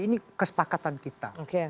ini kesepakatan kita